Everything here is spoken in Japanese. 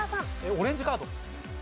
オレンジカード。